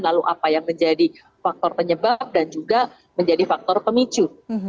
lalu apa yang menjadi faktor penyebab dan juga menjadi faktor pemicu